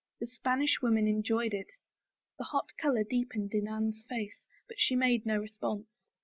The Spanish women enjoyed it." The hot color deepened in Anne's face but she made no response.